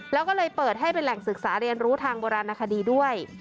แล้วก็เลยเปิดให้เป็นแหล่งศึกษาเรียนรู้ทางโบราณคดีด้วย